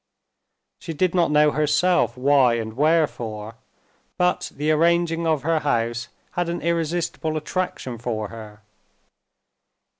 She did not know herself why and wherefore, but the arranging of her house had an irresistible attraction for her.